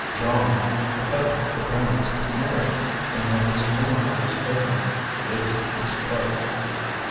John, the pet of the parents, married, and had his own eyes opened, it is to be supposed.